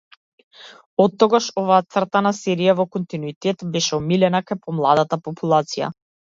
Оттогаш оваа цртана серија во континуитет беше омилена кај помладата популација.